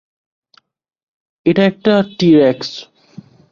এটা একটা টি-রেক্স।